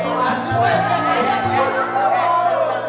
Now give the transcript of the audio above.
masuk masuk masuk